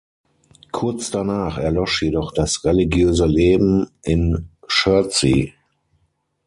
Kurz danach erlosch jedoch das religiöse Leben in Chertsey.